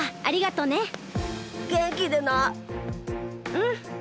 うん！